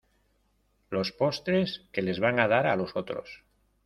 los postres que les van a dar a los otros.